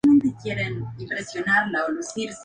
Es la quinta isla en tamaño.